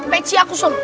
peci aku sud